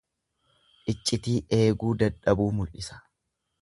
Iccitii eeguu dadhabuu mul'isa.